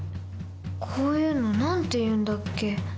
こういうの何て言うんだっけ？